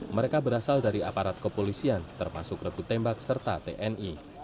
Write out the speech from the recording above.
mereka berasal dari aparat kepolisian termasuk regu tembak serta tni